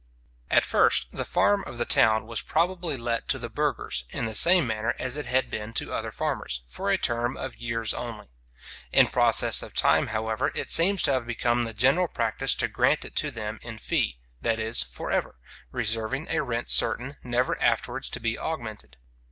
At first, the farm of the town was probably let to the burghers, in the same manner as it had been to other farmers, for a term of years only. In process of time, however, it seems to have become the general practice to grant it to them in fee, that is for ever, reserving a rent certain, never afterwards to be augmented.